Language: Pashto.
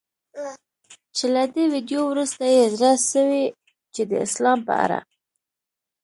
چي له دې ویډیو وروسته یې زړه سوی چي د اسلام په اړه